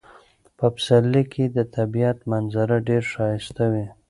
په پسرلي کې د طبیعت منظره ډیره ښایسته وي.